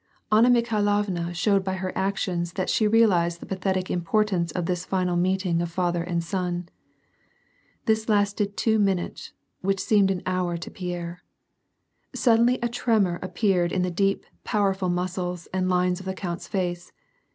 Anna Mikhailovna showed by her actions that she realized the pathetic impor tance of this final meeting of father and son. This lasted two minutes, which seemed an hour to Pierre. Suddenly a tremor appeared in the deep, powerful muscles and lines of the count's face.